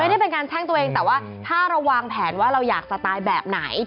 ไม่ได้เป็นการแช่งตัวเองแต่ว่าถ้าเราวางแผนว่าเราอยากสไตล์แบบไหน